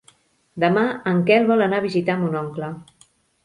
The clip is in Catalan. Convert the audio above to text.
Demà en Quel vol anar a visitar mon oncle.